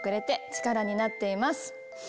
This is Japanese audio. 力になっています。